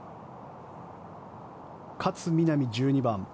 勝みなみ、１２番。